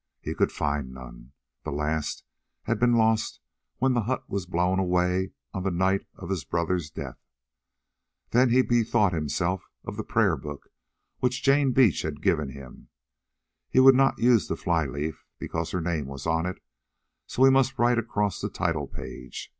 He could find none; the last had been lost when the hut was blown away on the night of his brother's death. Then he bethought him of the prayer book which Jane Beach had given him. He would not use the fly leaf, because her name was on it, so he must write across the title page.